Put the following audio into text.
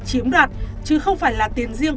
chiếm đoạt chứ không phải là tiền riêng